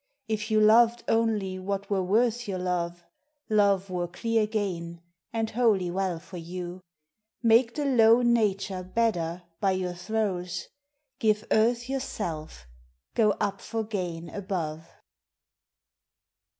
If you loved only what were worth your love, Love were clear gain, and wholly well for you: Make the low nature better by your throes! Jive earth yourself, go up for gain above!